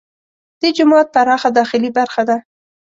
دې جومات پراخه داخلي برخه ده.